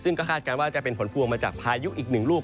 ซึ่งก็คาดการณ์ว่าจะเป็นผลพวงมาจากพายุอีกหนึ่งลูก